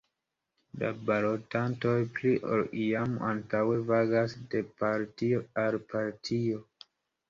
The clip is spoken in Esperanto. La balotantoj pli ol iam antaŭe vagas de partio al partio.